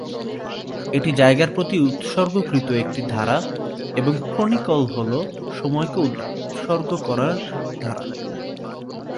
এটি জায়গার প্রতি উৎসর্গীকৃত একটি ধারা, এবং ক্রনিকল হ'ল সময়কে উৎসর্গ করা ধারা।